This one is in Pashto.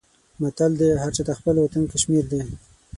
متل دی: هر چاته خپل وطن کشمیر دی.